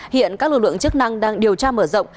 hiện các lực lượng chức năng đang điều tra mở rộng